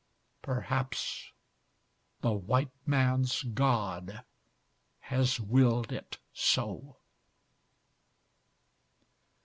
Perhaps the white man's God has willed it so.